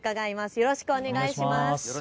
よろしくお願いします。